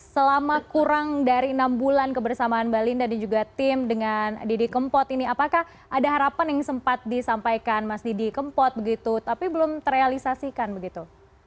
selama kurang dari enam bulan kebersamaan mbak linda dan juga tim dengan didi kempot ini apakah ada harapan yang sempat disampaikan mas didi kempot begitu tapi belum terrealisasikan begitu